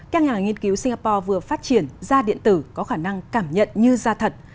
các nhà nghiên cứu singapore vừa phát triển da điện tử có khả năng cảm nhận như da thật